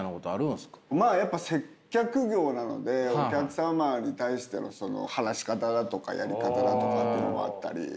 まあやっぱ接客業なのでお客様に対しての話し方だとかやり方だとかというのもあったり。